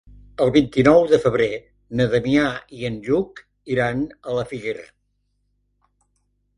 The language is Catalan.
El vint-i-nou de febrer na Damià i en Lluc iran a la Figuera.